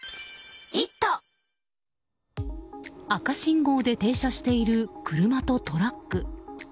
赤信号で停車している車とトラック。